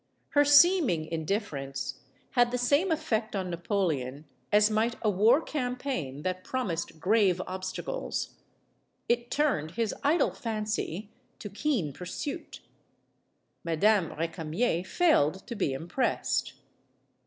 Her seeming in difference had the same effect on Napoleon as might a war campaign that promised grave obstacles. It turned his idle fancy to keen pursuit. Madame Re camier failed to be impressed.